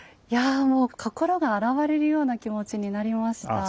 いやもう心が洗われるような気持ちになりました。